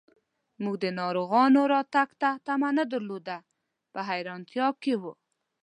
موږ د ناروغانو راتګ ته تمه نه درلوده، په حیرانتیا کې و.